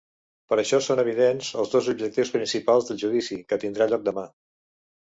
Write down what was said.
Per això són evidents els dos objectius principals del judici que tindrà lloc demà.